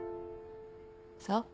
そう。